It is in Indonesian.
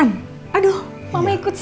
beneran aduh mama ikut seneng loh dengernya ini